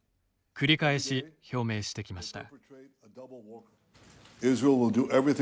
繰り返し表明してきました。